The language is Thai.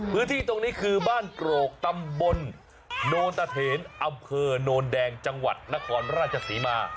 พื้นที่ตรงนี้คือบ้านโกรกตำบลโนนตะเถนอำเภอโนนแดงจังหวัดนครราชศรีมา